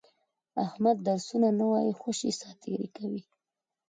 احمد درسونه نه وایي، خوشې ساتېري کوي.